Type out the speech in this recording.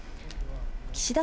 岸田